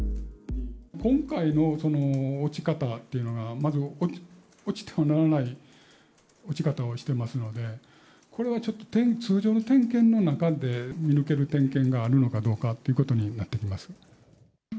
今回の落ち方っていうのが、まず落ちてはならない落ち方をしてますので、これはちょっと通常の点検の中で、見抜ける点検があるのかどうかっていうことになってきます。